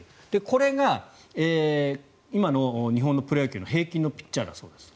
これが今の日本のプロ野球の平均のピッチャーだそうです。